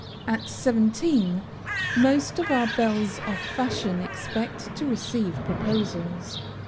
At seventeen, most of our belles of fashion expect to receive proposals.